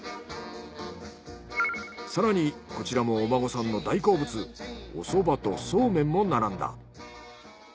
更にこちらもお孫さんの大好物おそばとそうめんも並んだ。